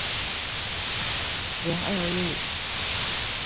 仁二路